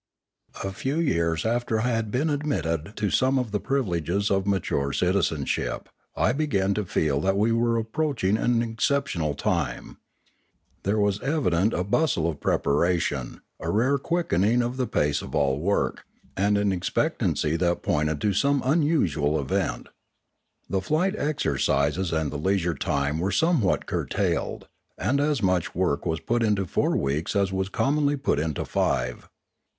A few years after I had been admitted to some of the privileges of mature citizenship, I began to feel that we were approaching an exceptional time. There was evident & bustle of preparation, a rare quickening of the pace of all work, and an expectancy that pointed to some unusual event. The flight exercises and the leisure time were somewhat curtailed, and as much work was put into four weeks as was commonly put into five.